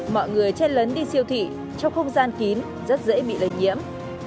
mọi người chen lấn đi siêu thị trong không gian kín rất dễ bị lây nhiễm